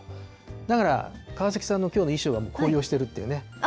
だから、川崎さんのきょうの衣装はもう紅葉してるってね。